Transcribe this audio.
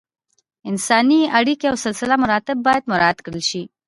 انساني اړیکې او سلسله مراتب باید مراعت کړل شي.